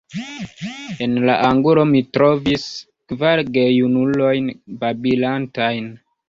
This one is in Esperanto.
En la angulo mi trovis kvar gejunulojn babilantajn.